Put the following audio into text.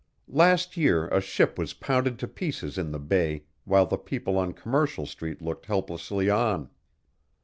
Last year a ship was pounded to pieces in the bay while the people on Commercial street looked helplessly on.